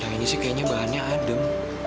nah ini sih kayaknya bahannya adem